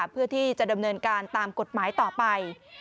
เพื่อที่จะดำเนินการตามกฎหมายต่อไป